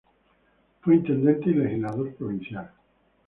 Fue intendente y legislador provincial.